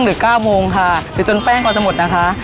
หรือจนแป้งก็จะหมดนะคะ